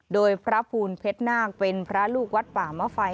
โดยพระภูลเพชรนาคเป็นพระลูกวัดป่ามะไฟ